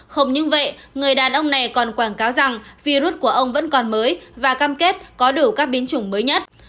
không những vậy người đàn ông này còn quảng cáo rằng virus của ông vẫn còn mới và cam kết có đủ các biến chủng mới nhất